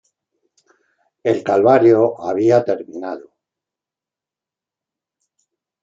El calvario había terminado.